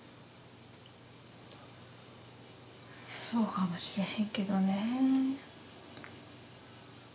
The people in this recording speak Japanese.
そうかもしれへんけどねえ。